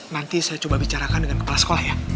nanti saya coba bicarakan dengan kepala sekolah ya